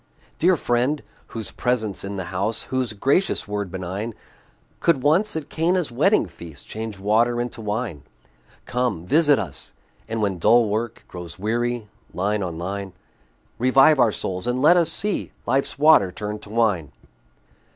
Dear Friend! whose presence in the house, Whose gracious word benign, Could once, at Cana's wedding feast, Change water into wine; Come, visit us! and when dull work Grows weary, line on line, Revive our souls, and let us see Life's water turned to wine.